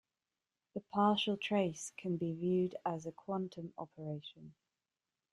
The partial trace can be viewed as a quantum operation.